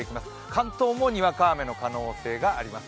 関東もにわか雨の可能性があります。